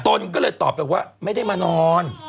นก็เลยตอบไปว่าไม่ได้มานอน